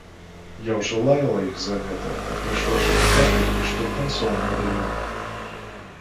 Я ўжо лаяла іх за гэта, а прыйшоўшы дахаты, і штурханцоў надаю.